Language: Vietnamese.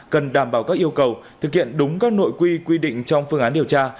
cần đảm bảo các yêu cầu thực hiện đúng các nội quy quy định trong phương án điều tra